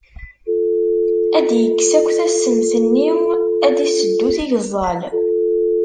Ad d-ikkes akk tassemt-nni, ad d-iseddu tigeẓẓal.